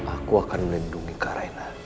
aku akan melindungi kak reina